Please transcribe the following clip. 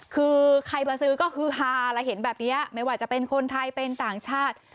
คือใครมาซื้อก็ฮือฮาแล้วเห็นแบบนี้ไม่ว่าจะเป็นคนไทยเป็นต่างชาติ